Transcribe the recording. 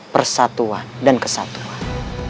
persatuan dan kesatuan